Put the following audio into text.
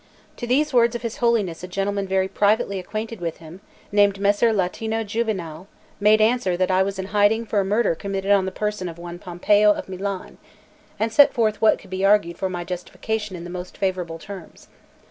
To these words of his Holiness a gentleman very privately acquainted with him, named Messer Latino Juvinale, made answer that I was in hiding for a murder committed on the person of one Pompeo of Milan, and set forth what could be argued for my justification in the most favourable terms.